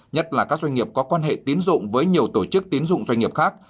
nhất là các doanh nghiệp có quan hệ tiến dụng với nhiều tổ chức tín dụng doanh nghiệp khác